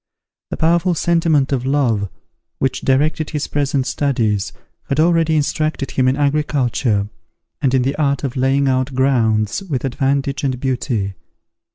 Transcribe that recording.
The powerful sentiment of love, which directed his present studies, had already instructed him in agriculture, and in the art of laying out grounds with advantage and beauty.